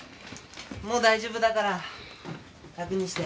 もう大丈夫だから楽にして。